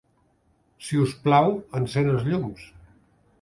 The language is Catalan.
Si us plau, encén els llums.